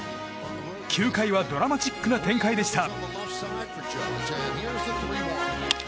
９回はドラマチックな展開でした。